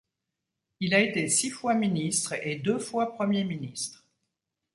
Il a été six fois ministre et deux fois Premier ministre.